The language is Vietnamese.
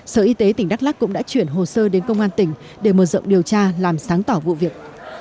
sở y tế tỉnh đắk lắc cũng đã chuyển hồ sơ đến công an tỉnh để mở rộng điều tra làm sáng tỏ vụ việc